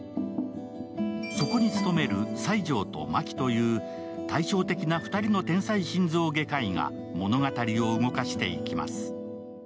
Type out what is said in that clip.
そこに勤める西條と真木という対照的な２人の天才心臓外科医が物語を動かしていきます。